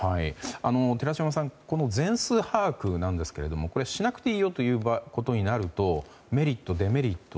寺嶋さん、全数把握ですがしなくてもいいよということになるとメリット、デメリット